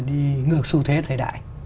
đi ngược xu thế thời đại